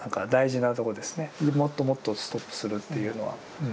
もっともっとをストップするというのは。